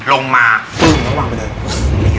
ลงมาปึ้งแล้วก็วางไปเลย